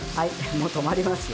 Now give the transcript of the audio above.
もう止まりますよ。